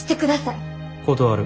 断る。